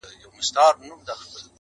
چي په وینو یې د ورور سره وي لاسونه،